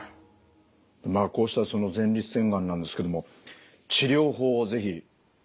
まあこうした前立腺がんなんですけども治療法を是非教えていただきたいんですが。